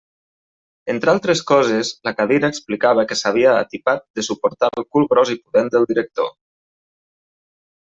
Entre altres coses, la cadira explicava que s'havia atipat de suportar el cul gros i pudent del director.